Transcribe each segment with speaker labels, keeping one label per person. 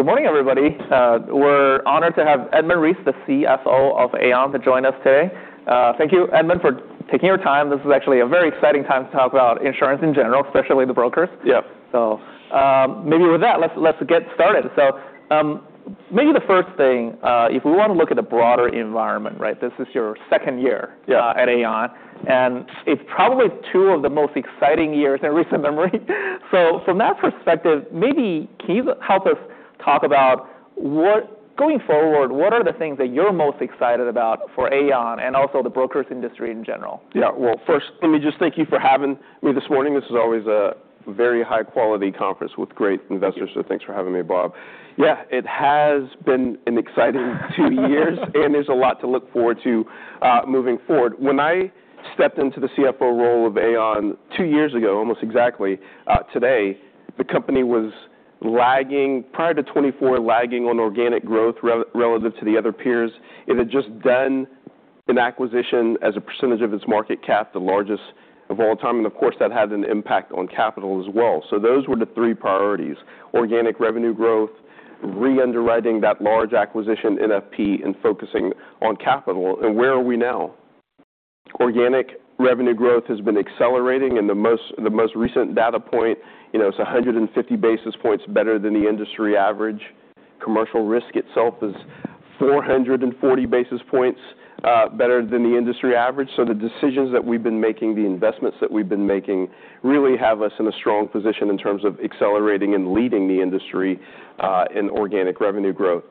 Speaker 1: Good morning, everybody. We're honored to have Edmund Reese, the CFO of Aon, to join us today. Thank you, Edmund, for taking your time. This is actually a very exciting time to talk about insurance in general, especially the brokers.
Speaker 2: Yep.
Speaker 1: Maybe with that, let's get started. Maybe the first thing, if we want to look at the broader environment, right? This is your second year.
Speaker 2: Yeah.
Speaker 1: at Aon, and it's probably two of the most exciting years in recent memory. From that perspective, maybe can you help us talk about, going forward, what are the things that you're most excited about for Aon and also the brokers industry in general?
Speaker 2: Yeah. Well, first, let me just thank you for having me this morning. This is always a very high-quality conference with great investors. Thanks for having me, Bob. Yeah, it has been an exciting two years, and there's a lot to look forward to moving forward. When I stepped into the CFO role of Aon two years ago, almost exactly today, the company was, prior to 2024, lagging on organic growth relative to the other peers. It had just done an acquisition as a percentage of its market cap, the largest of all time, and of course, that had an impact on capital as well. Those were the three priorities, organic revenue growth, re-underwriting that large acquisition NFP, and focusing on capital. Where are we now? Organic revenue growth has been accelerating. The most recent data point is 150 basis points better than the industry average. Commercial Risk itself is 440 basis points better than the industry average. The decisions that we've been making, the investments that we've been making, really have us in a strong position in terms of accelerating and leading the industry in organic revenue growth.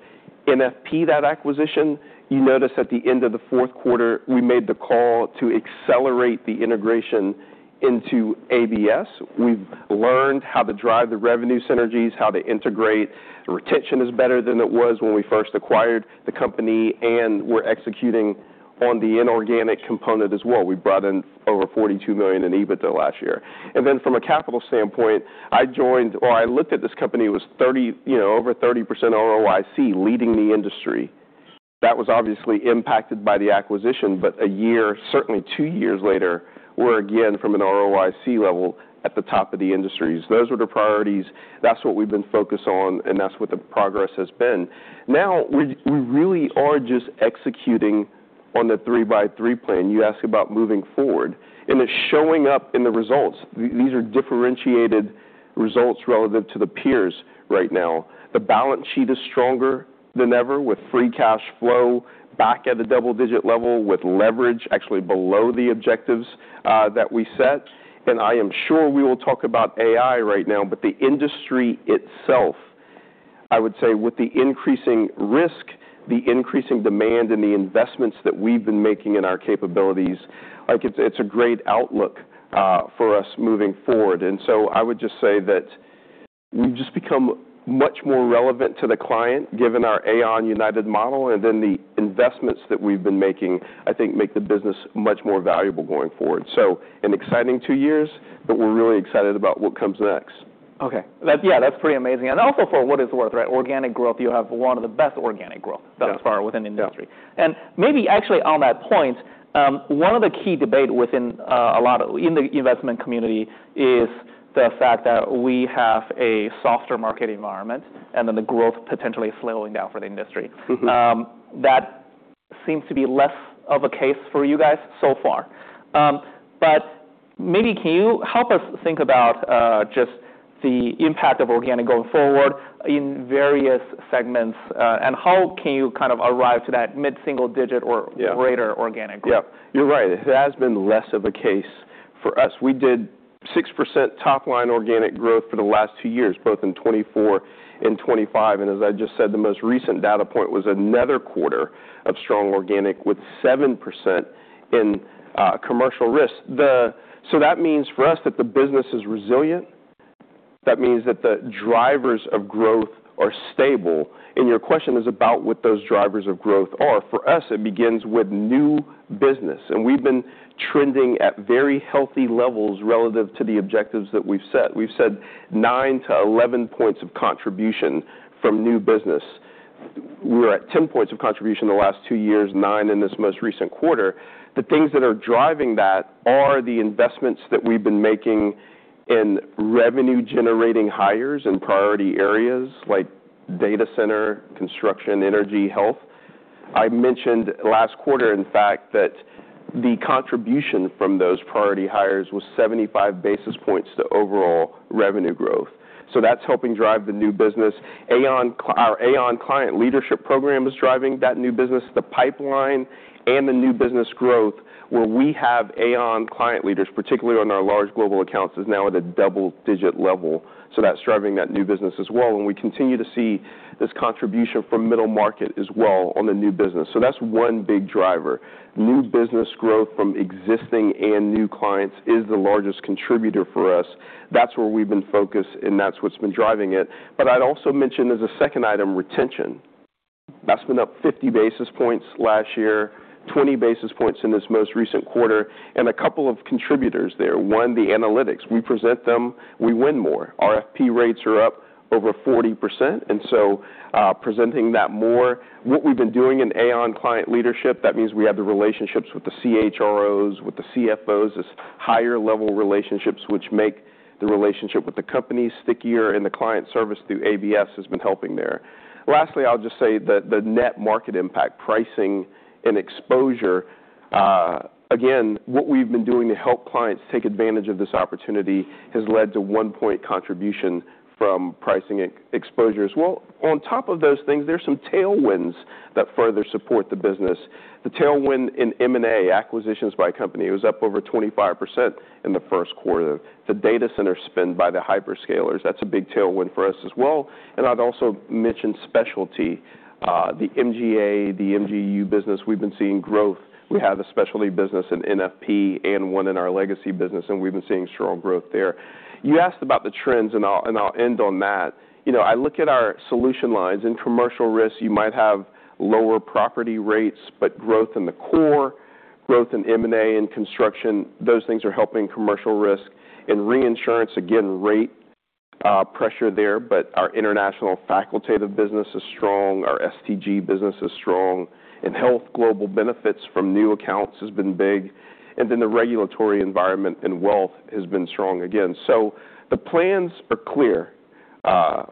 Speaker 2: NFP, that acquisition, you notice at the end of the Q4 we made the call to accelerate the integration into ABS. We've learned how to drive the revenue synergies, how to integrate. The retention is better than it was when we first acquired the company, and we're executing on the inorganic component as well. We brought in over $42 million in EBITDA last year. From a capital standpoint, I looked at this company, it was over 30% ROIC, leading the industry. That was obviously impacted by the acquisition. A year, certainly two years later, we're again from an ROIC level at the top of the industries. Those were the priorities. That's what we've been focused on, and that's what the progress has been. Now, we really are just executing on the 3x3 Plan. You ask about moving forward. It's showing up in the results. These are differentiated results relative to the peers right now. The balance sheet is stronger than ever with free cash flow back at the double-digit level with leverage actually below the objectives that we set. I am sure we will talk about AI right now. The industry itself, I would say with the increasing risk, the increasing demand, and the investments that we've been making in our capabilities, I think it's a great outlook for us moving forward. I would just say that we've just become much more relevant to the client, given our Aon United model. The investments that we've been making, I think, make the business much more valuable going forward. An exciting two years, we're really excited about what comes next.
Speaker 1: Okay. Yeah, that's pretty amazing. Also for what it's worth, right, organic growth, you have one of the best organic growth thus far within the industry.
Speaker 2: Yeah.
Speaker 1: Maybe actually on that point, one of the key debate in the investment community is the fact that we have a softer market environment the growth potentially slowing down for the industry. That seems to be less of a case for you guys so far. Maybe can you help us think about just the impact of organic going forward in various segments, and how can you kind of arrive to that mid-single digit-
Speaker 2: Yeah
Speaker 1: -greater organic growth?
Speaker 2: Yeah. You're right. It has been less of a case for us. We did 6% top-line organic growth for the last two years, both in 2024 and 2025. As I just said, the most recent data point was another quarter of strong organic with 7% in Commercial Risk. That means for us that the business is resilient. That means that the drivers of growth are stable. Your question is about what those drivers of growth are. For us, it begins with new business, and we've been trending at very healthy levels relative to the objectives that we've set. We've said 9-11 points of contribution from new business. We're at 10 points of contribution the last two years, nine in this most recent quarter. The things that are driving that are the investments that we've been making in revenue-generating hires in priority areas like data center, construction, energy, health. I mentioned last quarter, in fact, that the contribution from those priority hires was 75 basis points to overall revenue growth. That's helping drive the new business. Our Aon Client Leadership program is driving that new business. The pipeline and the new business growth where we have Aon Client Leaders, particularly on our large global accounts, is now at a double-digit level. That's driving that new business as well, and we continue to see this contribution from middle market as well on the new business. That's one big driver. New business growth from existing and new clients is the largest contributor for us. That's where we've been focused, and that's what's been driving it. I'd also mention as a second item, retention. That's been up 50 basis points last year, 20 basis points in this most recent quarter, and a couple of contributors there. One, the analytics. We present them, we win more. RFP rates are up over 40%, presenting that more. What we've been doing in Aon Client Leadership, that means we have the relationships with the CHROs, with the CFOs, these higher-level relationships which make the relationship with the company, stickier and the client service through ABS has been helping there. Lastly, I'll just say that the net market impact pricing and exposure, again, what we've been doing to help clients take advantage of this opportunity has led to one point contribution from pricing exposure as well. On top of those things, there's some tailwinds that further support the business. The tailwind in M&A, acquisitions by company, was up over 25% in the Q1. The data center spend by the hyperscalers, that's a big tailwind for us as well. I'd also mention specialty, the MGA, the MGU business, we've been seeing growth. We have a specialty business in NFP and one in our legacy business, and we've been seeing strong growth there. You asked about the trends, and I'll end on that. I look at our solution lines. In Commercial Risk, you might have lower property rates, but growth in the core, growth in M&A and construction, those things are helping Commercial Risk. In Reinsurance, again, rate pressure there, but our international facultative business is strong. Our STG business is strong. In health, global benefits from new accounts has been big. The regulatory environment and wealth has been strong again. The plans are clear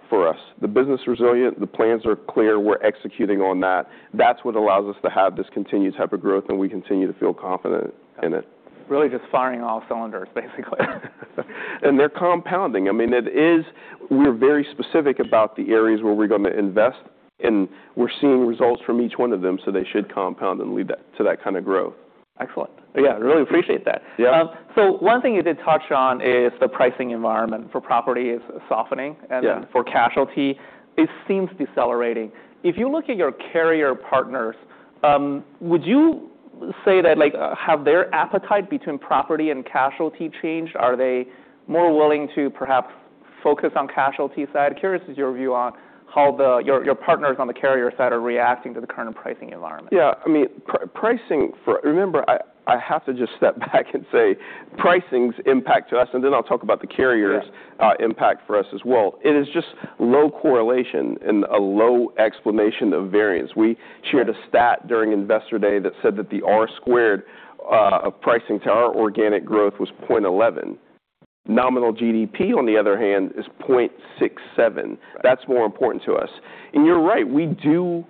Speaker 2: for us. The business is resilient, the plans are clear. We're executing on that. That's what allows us to have this continued type of growth, and we continue to feel confident in it.
Speaker 1: Really just firing all cylinders, basically.
Speaker 2: They're compounding. We're very specific about the areas where we're going to invest, and we're seeing results from each one of them, so they should compound and lead to that kind of growth.
Speaker 1: Excellent. Yeah, really appreciate that.
Speaker 2: Yeah.
Speaker 1: One thing you did touch on is the pricing environment for property is softening.
Speaker 2: Yeah.
Speaker 1: For casualty, it seems decelerating. If you look at your carrier partners, would you say that have their appetite between property and casualty changed? Are they more willing to perhaps focus on casualty side? Curious is your view on how your partners on the carrier side are reacting to the current pricing environment.
Speaker 2: Remember, I have to just step back and say pricing's impact to us, then I'll talk about the carrier's-
Speaker 1: Yeah
Speaker 2: -impact for us as well. It is just low correlation and a low explanation of variance. We shared a stat during Investor Day that said that the R-squared of pricing to our organic growth was 0.11. Nominal GDP, on the other hand, is 0.67.
Speaker 1: Right.
Speaker 2: That's more important to us. You're right, we don't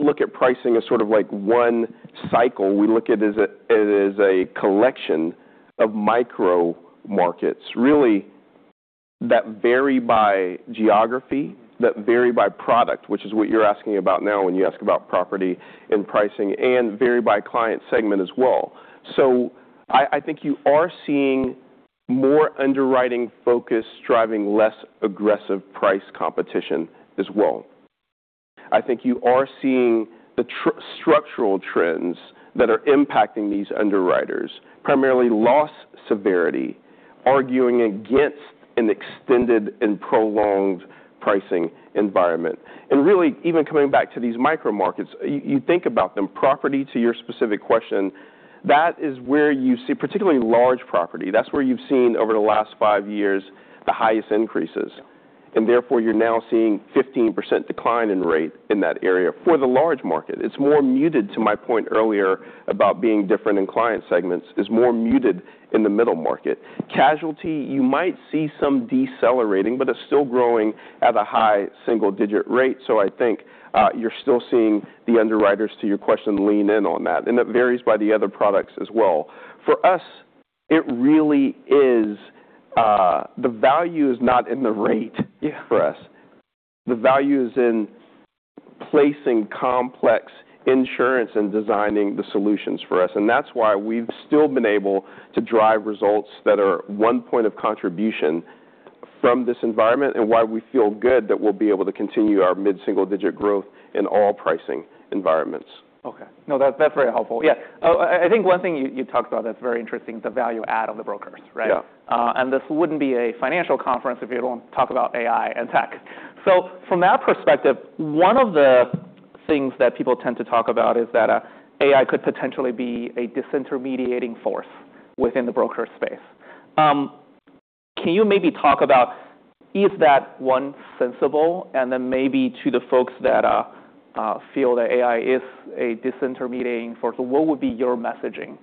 Speaker 2: look at pricing as one cycle. We look at it as a collection of micro markets, really, that vary by geography, that vary by product, which is what you're asking about now when you ask about property and pricing, and vary by client segment as well. I think you are seeing more underwriting focus driving less aggressive price competition as well. I think you are seeing the structural trends that are impacting these underwriters, primarily loss severity, arguing against an extended and prolonged pricing environment. Really even coming back to these micro markets, you think about them, property to your specific question, that is where you see, particularly large property, that's where you've seen over the last five years the highest increases. Therefore, you're now seeing 15% decline in rate in that area for the large market. It's more muted, to my point earlier about being different in client segments, is more muted in the middle market. Casualty, you might see some decelerating, but it's still growing at a high single digit rate. I think you're still seeing the underwriters, to your question, lean in on that. It varies by the other products as well. For us, the value is not in the rate-
Speaker 1: Yeah
Speaker 2: for us. The value is in placing complex insurance and designing the solutions for us. That's why we've still been able to drive results that are one point of contribution from this environment and why we feel good that we'll be able to continue our mid-single digit growth in all pricing environments.
Speaker 1: Okay. No, that's very helpful. Yeah. I think one thing you talked about that's very interesting, the value add of the brokers, right?
Speaker 2: Yeah.
Speaker 1: This wouldn't be a financial conference if you don't talk about AI and tech. From that perspective, one of the things that people tend to talk about is that AI could potentially be a disintermediating force within the broker space. Can you maybe talk about is that, one, sensible? Then maybe to the folks that feel that AI is a disintermediating force, what would be your messaging-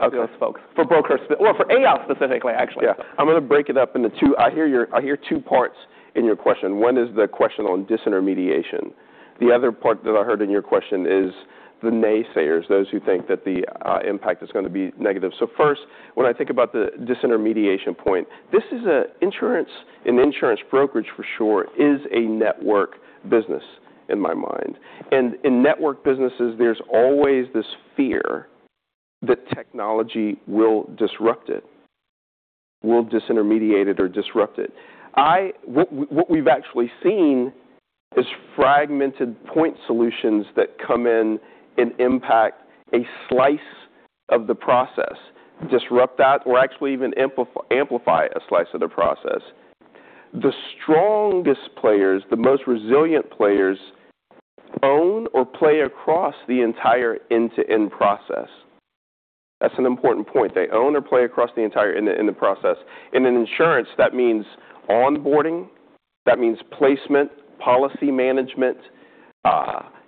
Speaker 2: Okay
Speaker 1: -to those folks? For brokers, or for AI specifically, actually.
Speaker 2: Yeah. I'm going to break it up into two. I hear two parts in your question. One is the question on disintermediation. The other part that I heard in your question is the naysayers, those who think that the impact is going to be negative. First, when I think about the disintermediation point, an insurance brokerage for sure is a network business in my mind. In network businesses, there's always this fear that technology will disrupt it, will disintermediate it or disrupt it. What we've actually seen is fragmented point solutions that come in and impact a slice of the process, disrupt that, or actually even amplify a slice of the process. The strongest players, the most resilient players own or play across the entire end-to-end process. That's an important point. They own or play across the entire end-to-end process. In insurance, that means onboarding, that means placement, policy management,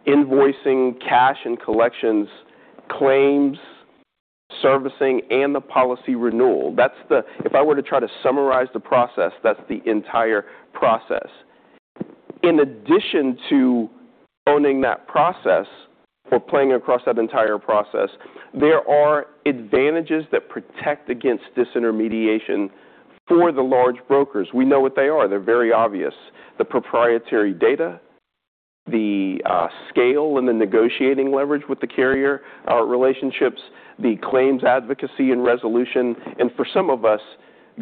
Speaker 2: invoicing, cash and collections, claims servicing and the policy renewal. If I were to try to summarize the process, that's the entire process. In addition to owning that process or playing across that entire process, there are advantages that protect against disintermediation for the large brokers. We know what they are. They're very obvious. The proprietary data, the scale and the negotiating leverage with the carrier, our relationships, the claims advocacy and resolution, and for some of us,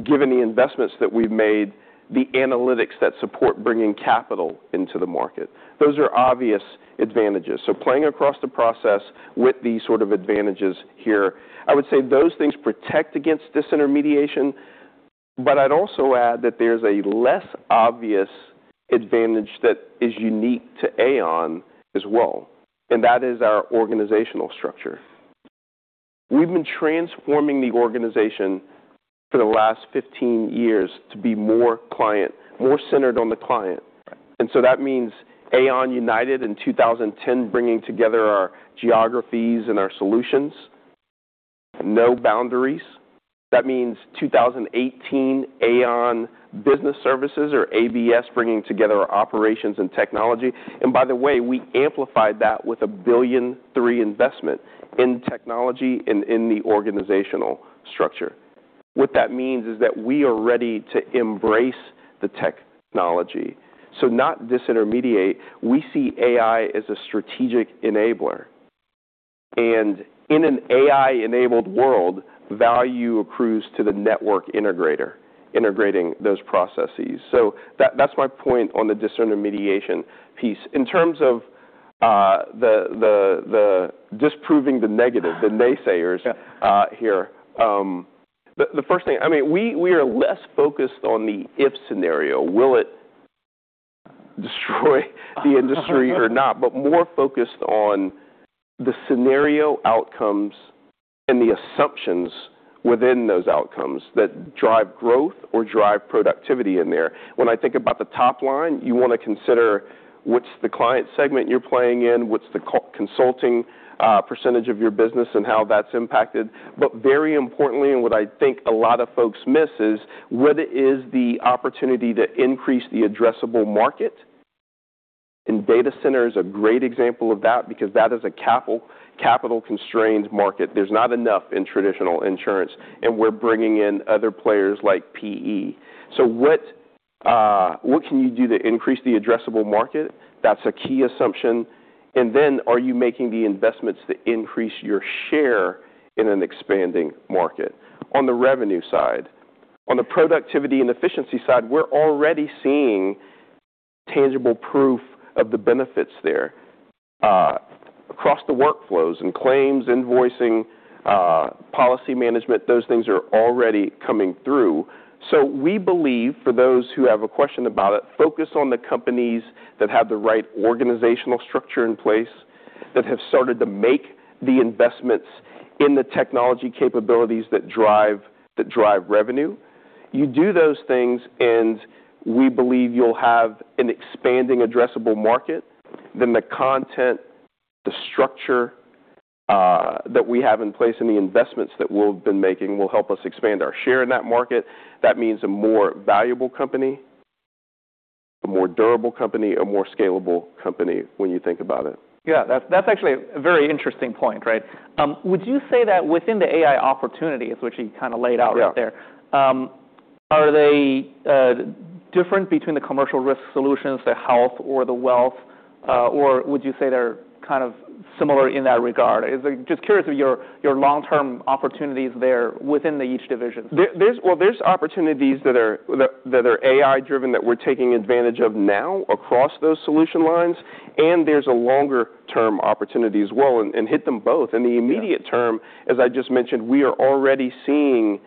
Speaker 2: given the investments that we've made, the analytics that support bringing capital into the market. Those are obvious advantages. Playing across the process with these sort of advantages here, I would say those things protect against disintermediation, but I'd also add that there's a less obvious advantage that is unique to Aon as well, and that is our organizational structure. We've been transforming the organization for the last 15 years to be more centered on the client. That means Aon United in 2010, bringing together our geographies and our solutions, no boundaries. That means 2018, Aon Business Services or ABS, bringing together our operations and technology. By the way, we amplified that with a billion three investment in technology and in the organizational structure. What that means is that we are ready to embrace the technology, so not disintermediate. We see AI as a strategic enabler, and in an AI-enabled world, value accrues to the network integrator, integrating those processes. That's my point on the disintermediation piece. In terms of disproving the negative, the naysayers here, the first thing, we are less focused on the if scenario, will it destroy the industry or not, but more focused on the scenario outcomes and the assumptions within those outcomes that drive growth or drive productivity in there. When I think about the top line, you want to consider what's the client segment you're playing in, what's the consulting percentage of your business and how that's impacted. Very importantly, and what I think a lot of folks miss is, whether it is the opportunity to increase the addressable market, and data center is a great example of that because that is a capital-constrained market. There's not enough in traditional insurance, and we're bringing in other players like PE. What can you do to increase the addressable market? That's a key assumption. Are you making the investments that increase your share in an expanding market? On the revenue side. On the productivity and efficiency side, we're already seeing tangible proof of the benefits there, across the workflows and claims, invoicing, policy management, those things are already coming through. We believe for those who have a question about it, focus on the companies that have the right organizational structure in place, that have started to make the investments in the technology capabilities that drive revenue. You do those things, and we believe you'll have an expanding addressable market. The content, the structure that we have in place, and the investments that we've been making will help us expand our share in that market. That means a more valuable company, a more durable company, a more scalable company when you think about it.
Speaker 1: Yeah. That's actually a very interesting point, right? Would you say that within the AI opportunities, which you kind of laid out right there.
Speaker 2: Yeah
Speaker 1: Are they different between the Commercial Risk solutions, the Health or the Wealth, or would you say they're kind of similar in that regard? Just curious of your long-term opportunities there within each division.
Speaker 2: There's opportunities that are AI-driven that we're taking advantage of now across those solution lines, and there's a longer-term opportunity as well, and hit them both. In the immediate term, as I just mentioned, we are already seeing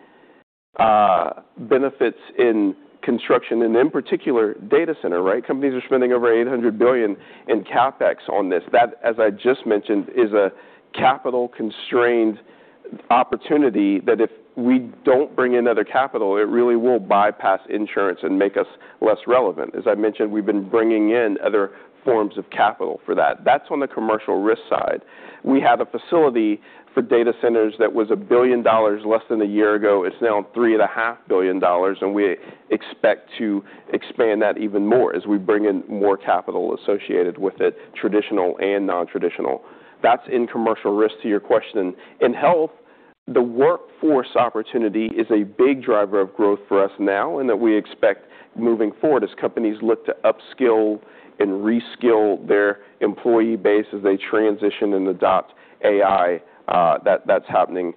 Speaker 2: benefits in construction, and in particular, data center, right? Companies are spending over $800 billion in CapEx on this. That, as I just mentioned, is a capital-constrained opportunity that if we don't bring in other capital, it really will bypass insurance and make us less relevant. As I mentioned, we've been bringing in other forms of capital for that. That's on the Commercial Risk side. We have a facility for data centers that was $1 billion less than a year ago. It's now $3.5 billion, and we expect to expand that even more as we bring in more capital associated with it, traditional and non-traditional. That's in Commercial Risk to your question. In Health, the workforce opportunity is a big driver of growth for us now, and that we expect moving forward as companies look to up-skill and re-skill their employee base as they transition and adopt AI. That's happening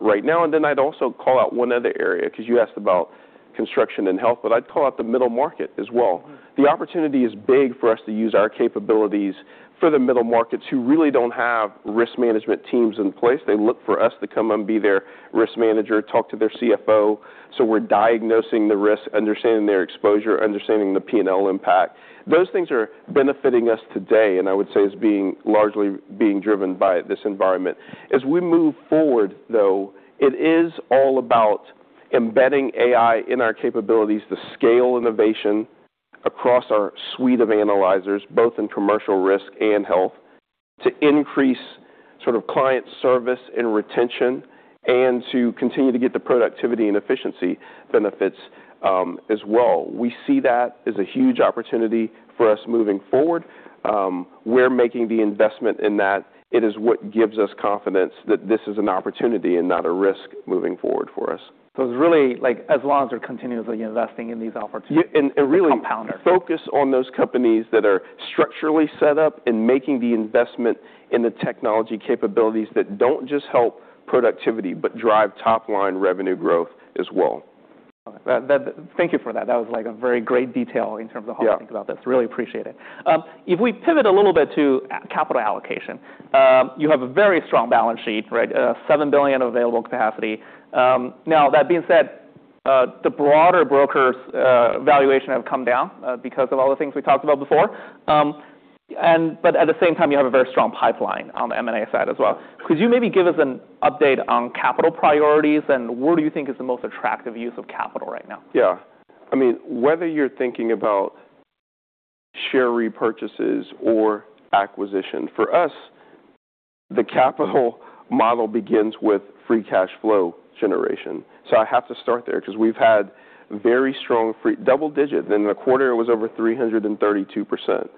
Speaker 2: right now. Then I'd also call out one other area, because you asked about construction and Health, but I'd call out the middle market as well. The opportunity is big for us to use our capabilities for the middle markets who really don't have risk management teams in place. They look for us to come and be their risk manager, talk to their CFO. We're diagnosing the risk, understanding their exposure, understanding the P&L impact. Those things are benefiting us today, and I would say it's largely being driven by this environment. As we move forward, though, it is all about embedding AI in our capabilities to scale innovation across our Suite of Analyzers, both in Commercial Risk and Health, to increase client service and retention and to continue to get the productivity and efficiency benefits as well. We see that as a huge opportunity for us moving forward. We're making the investment in that. It is what gives us confidence that this is an opportunity and not a risk moving forward for us.
Speaker 1: It's really as long as we're continuously investing in these opportunities.
Speaker 2: Yeah
Speaker 1: It's a compounder.
Speaker 2: Focus on those companies that are structurally set up and making the investment in the technology capabilities that don't just help productivity, but drive top-line revenue growth as well.
Speaker 1: Thank you for that. That was a very great detail-
Speaker 2: Yeah.
Speaker 1: -in terms of how to think about this. Really appreciate it. If we pivot a little bit to capital allocation, you have a very strong balance sheet, right? $7 billion available capacity. That being said, the broader brokers' valuation have come down because of all the things we talked about before. At the same time, you have a very strong pipeline on the M&A side as well. Could you maybe give us an update on capital priorities and where do you think is the most attractive use of capital right now?
Speaker 2: Yeah. Whether you're thinking about share repurchases or acquisition, for us, the capital model begins with free cash flow generation. I have to start there because we've had very strong double digit. The quarter was over 332%.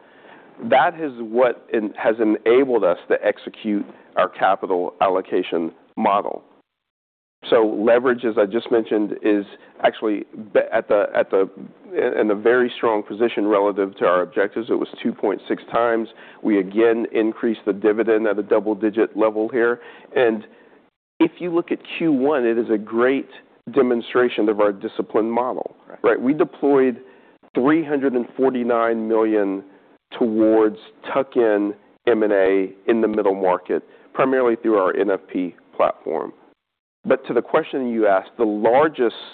Speaker 2: That is what has enabled us to execute our capital allocation model. Leverage, as I just mentioned, is actually in a very strong position relative to our objectives. It was 2.6x. We again increased the dividend at a double-digit level here. If you look at Q1, it is a great demonstration of our disciplined model.
Speaker 1: Right.
Speaker 2: We deployed $349 million towards tuck-in M&A in the middle market, primarily through our NFP platform. To the question you asked, the largest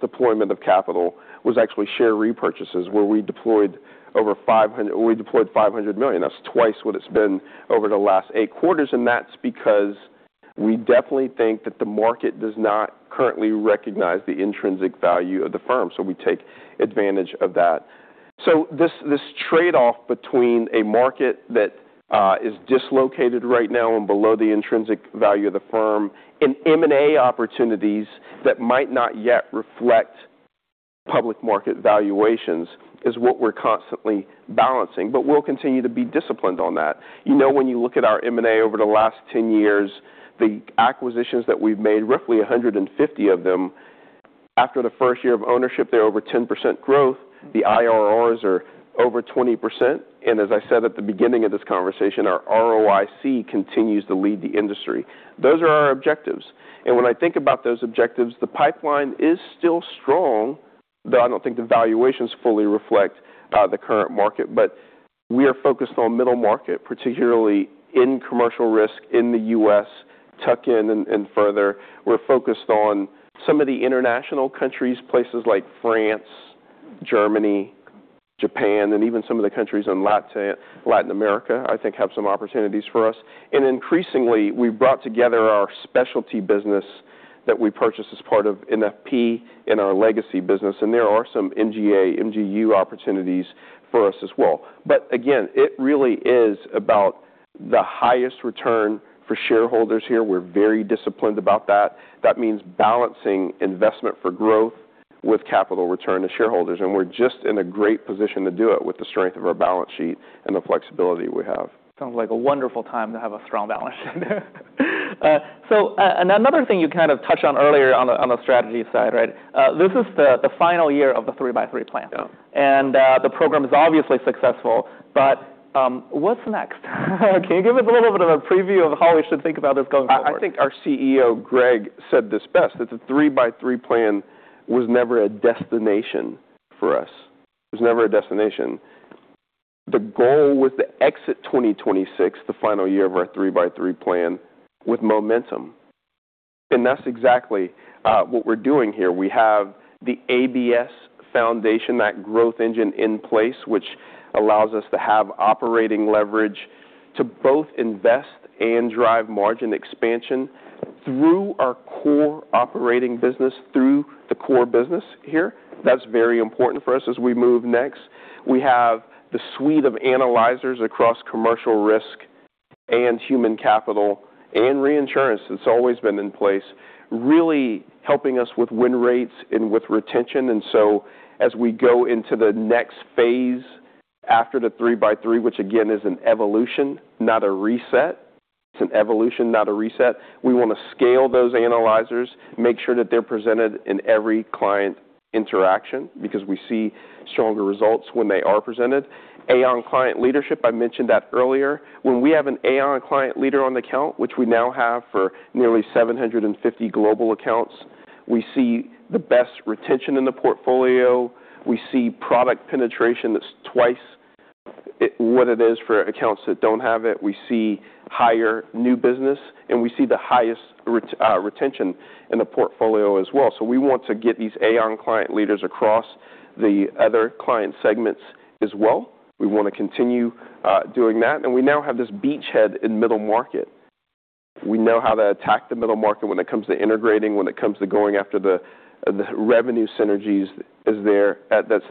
Speaker 2: deployment of capital was actually share repurchases, where we deployed $500 million. That's twice what it's been over the last eight quarters, and that's because we definitely think that the market does not currently recognize the intrinsic value of the firm. We take advantage of that. This trade-off between a market that is dislocated right now and below the intrinsic value of the firm and M&A opportunities that might not yet reflect public market valuations is what we're constantly balancing. We'll continue to be disciplined on that. When you look at our M&A over the last 10 years, the acquisitions that we've made, roughly 150 of them, after the first year of ownership, they're over 10% growth. The IRRs are over 20%. As I said at the beginning of this conversation, our ROIC continues to lead the industry. Those are our objectives, when I think about those objectives, the pipeline is still strong, though I don't think the valuations fully reflect the current market. We are focused on middle market, particularly in Commercial Risk in the U.S., tuck-in and further. We're focused on some of the international countries, places like France, Germany, Japan, even some of the countries in Latin America, I think, have some opportunities for us. Increasingly, we've brought together our specialty business that we purchased as part of NFP in our legacy business, there are some MGA, MGU opportunities for us as well. Again, it really is about the highest return for shareholders here. We're very disciplined about that. That means balancing investment for growth with capital return to shareholders, we're just in a great position to do it with the strength of our balance sheet and the flexibility we have.
Speaker 1: Sounds like a wonderful time to have a strong balance sheet. Another thing you kind of touched on earlier on the strategy side. This is the final year of the 3x3 Plan.
Speaker 2: Yeah.
Speaker 1: The program is obviously successful. What's next? Can you give us a little bit of a preview of how we should think about this going forward?
Speaker 2: I think our CEO, Greg, said this best, that the 3x3 Plan was never a destination for us. It was never a destination. The goal was to exit 2026, the final year of our 3x3 Plan, with momentum. That's exactly what we're doing here. We have the ABS foundation, that growth engine in place, which allows us to have operating leverage to both invest and drive margin expansion through our core operating business, through the core business here. That's very important for us as we move next. We have the suite of analyzers across Commercial Risk and human capital and Reinsurance that's always been in place, really helping us with win rates and with retention. As we go into the next phase after the 3x3, which again, is an evolution, not a reset. It's an evolution, not a reset. We want to scale those analyzers, make sure that they're presented in every client interaction because we see stronger results when they are presented. Aon Client Leadership, I mentioned that earlier. When we have an Aon Client Leader on the account, which we now have for nearly 750 global accounts, we see the best retention in the portfolio. We see product penetration that's twice what it is for accounts that don't have it. We see higher new business, and we see the highest retention in the portfolio as well. We want to get these Aon Client Leaders across the other client segments as well. We want to continue doing that. We now have this beachhead in middle market. We know how to attack the middle market when it comes to integrating, when it comes to going after the revenue synergies that's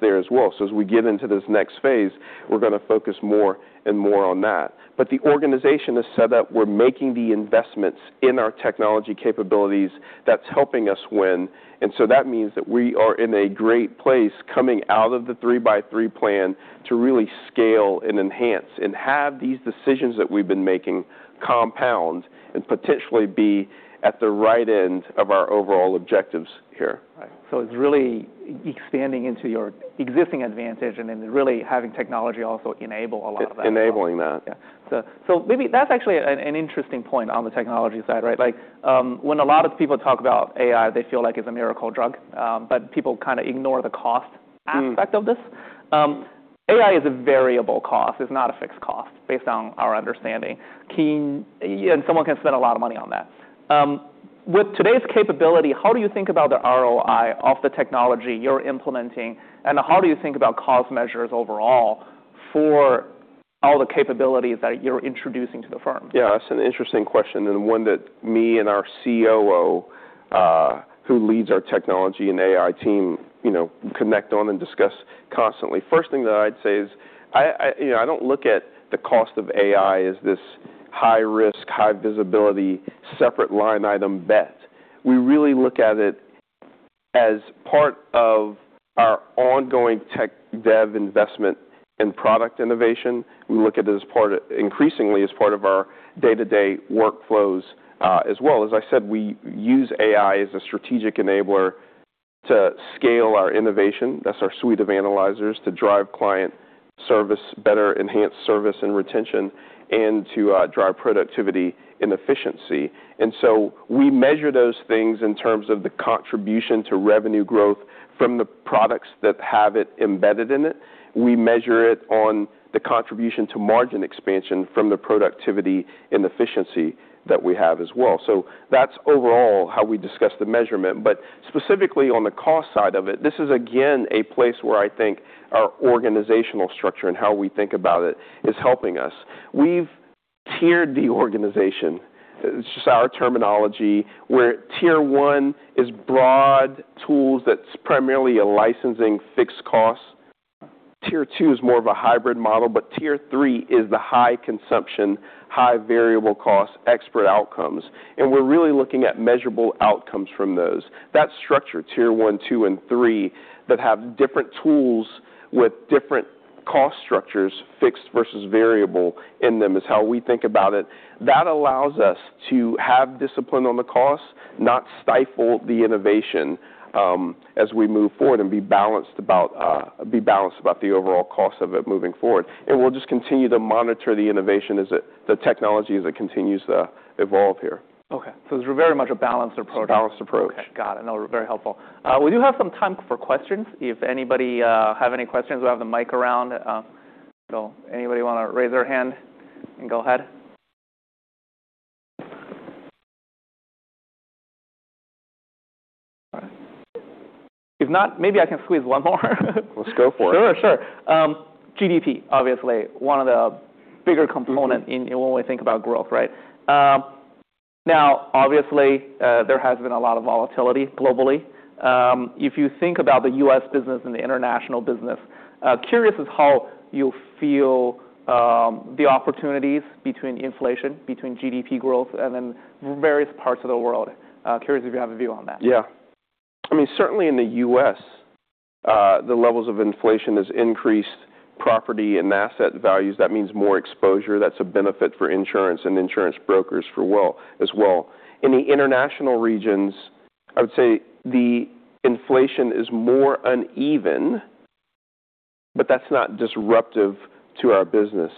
Speaker 2: there as well. As we get into this next phase, we're going to focus more and more on that. The organization has said that we're making the investments in our technology capabilities that's helping us win, that means that we are in a great place coming out of the 3x3 Plan to really scale and enhance, and have these decisions that we've been making compound and potentially be at the right end of our overall objectives here.
Speaker 1: Right. It's really expanding into your existing advantage really having technology also enable a lot of that as well.
Speaker 2: Enabling that.
Speaker 1: Yeah. Maybe that's actually an interesting point on the technology side, right? When a lot of people talk about AI, they feel like it's a miracle drug, but people kind of ignore the cost aspect of this. AI is a variable cost, it's not a fixed cost, based on our understanding. Someone can spend a lot of money on that. With today's capability, how do you think about the ROI of the technology you're implementing, and how do you think about cost measures overall for all the capabilities that you're introducing to the firm?
Speaker 2: Yeah, that's an interesting question, and one that me and our COO, who leads our technology and AI team, connect on and discuss constantly. First thing that I'd say is I don't look at the cost of AI as this high risk, high visibility, separate line item bet. We really look at it as part of our ongoing tech dev investment and product innovation. We look at it increasingly as part of our day-to-day workflows, as well. As I said, we use AI as a strategic enabler to scale our innovation, that's our suite of analyzers, to drive client service better, enhance service and retention, and to drive productivity and efficiency. We measure those things in terms of the contribution to revenue growth from the products that have it embedded in it. We measure it on the contribution to margin expansion from the productivity and efficiency that we have as well. That's overall how we discuss the measurement. Specifically on the cost side of it, this is again a place where I think our organizational structure and how we think about it is helping us. We've tiered the organization. It's just our terminology, where tier 1 is broad tools that's primarily a licensing fixed cost. Tier 2 is more of a hybrid model, but tier 3 is the high consumption, high variable cost, expert outcomes, and we're really looking at measurable outcomes from those. That structure, tier 1, 2, and 3, that have different tools with different cost structures, fixed versus variable in them, is how we think about it. That allows us to have discipline on the cost, not stifle the innovation as we move forward, and be balanced about the overall cost of it moving forward. We'll just continue to monitor the innovation as the technology continues to evolve here.
Speaker 1: Okay. It's very much a balanced approach.
Speaker 2: It's a balanced approach.
Speaker 1: Okay, got it. No, very helpful. We do have some time for questions. If anybody have any questions, we have the mic around. Anybody want to raise their hand and go ahead? All right. If not, maybe I can squeeze one more.
Speaker 2: Let's go for it.
Speaker 1: Sure. GDP, obviously one of the bigger component when we think about growth, right? Now, obviously, there has been a lot of volatility globally. If you think about the U.S. business and the international business, curious as how you feel the opportunities between inflation, between GDP growth, and then various parts of the world. Curious if you have a view on that.
Speaker 2: Yeah. Certainly in the U.S., the levels of inflation has increased property and asset values. That means more exposure. That's a benefit for insurance and insurance brokers as well. In the international regions, I would say the inflation is more uneven, but that's not disruptive to our business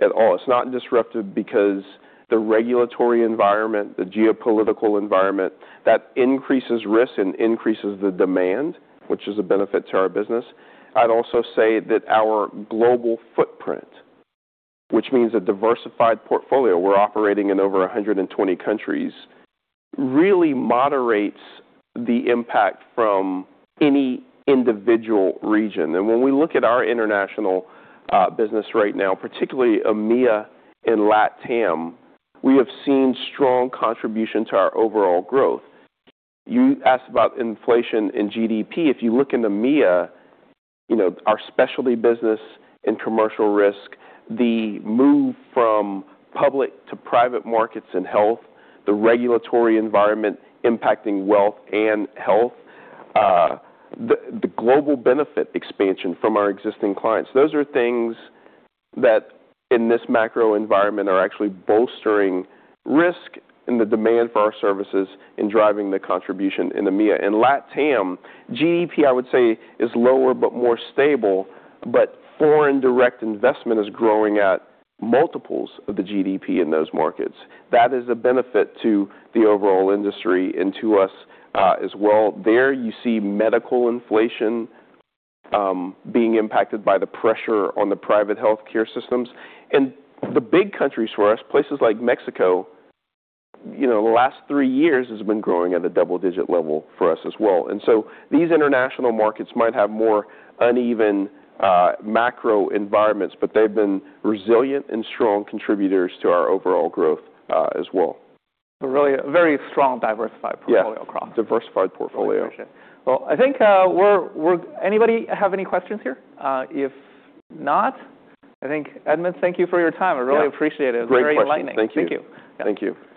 Speaker 2: at all. It's not disruptive because the regulatory environment, the geopolitical environment, that increases risk and increases the demand, which is a benefit to our business. I'd also say that our global footprint, which means a diversified portfolio, we're operating in over 120 countries, really moderates the impact from any individual region. When we look at our international business right now, particularly EMEA and LATAM, we have seen strong contribution to our overall growth. You asked about inflation in GDP. If you look into EMEA, our specialty business in Commercial Risk, the move from public to private markets in Health, the regulatory environment impacting Wealth and Health, the global benefit expansion from our existing clients, those are things that in this macro environment are actually bolstering risk and the demand for our services in driving the contribution in EMEA. In LATAM, GDP, I would say, is lower but more stable, foreign direct investment is growing at multiples of the GDP in those markets. That is a benefit to the overall industry and to us as well. There you see medical inflation being impacted by the pressure on the private healthcare systems. The big countries for us, places like Mexico, the last three years has been growing at a double-digit level for us as well. These international markets might have more uneven macro environments, but they've been resilient and strong contributors to our overall growth as well.
Speaker 1: Really a very strong diversified portfolio across.
Speaker 2: Yeah. Diversified portfolio.
Speaker 1: I appreciate it. Well, I think anybody have any questions here? If not, I think, Edmund, thank you for your time.
Speaker 2: Yeah.Health
Speaker 1: I really appreciate it.
Speaker 2: Great questions.
Speaker 1: It was very enlightening.
Speaker 2: Thank you.
Speaker 1: Thank you.
Speaker 2: Thank you.